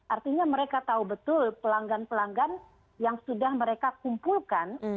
artinya mereka tahu betul pelanggan pelanggan yang sudah mereka kumpulkan